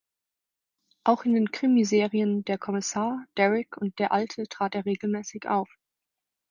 Auch in den Krimiserien "Der Kommissar", "Derrick" und "Der Alte" trat er regelmäßig auf.